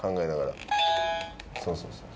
そうそうそうそう。